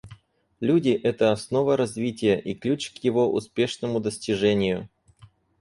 Люди — это основа развития и ключ к его успешному достижению.